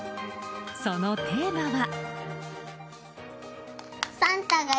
そのテーマは。